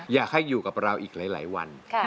อยากให้อยู่กับเราอีกหลายวัน